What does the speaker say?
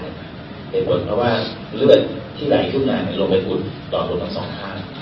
เหตุผลเพราะว่าเลือดที่ไหลทุกนานลงไปอุดต่อตรงสองทาง